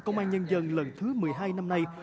công an nhân dân lần thứ một mươi hai năm nay